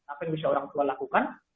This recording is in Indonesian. apa yang bisa orang tua lakukan